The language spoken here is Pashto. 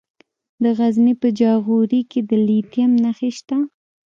د غزني په جاغوري کې د لیتیم نښې شته.